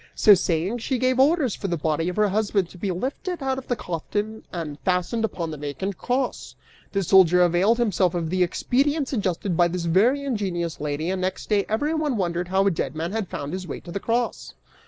So saying, she gave orders for the body of her husband to be lifted out of the coffin and fastened upon the vacant cross! The soldier availed himself of the expedient suggested by this very ingenious lady and next day everyone wondered how a dead man had found his way to the cross!"